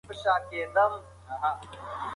که تاسي ډېر ورزش وکړئ نو ښه خوب به ولرئ.